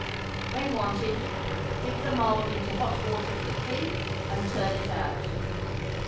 When wanted, dip the mould into hot water quickly, and turn it out.